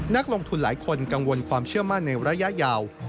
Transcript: นักลงทุนหลายคนกังวลความเชื่อมั่นในระยะยาว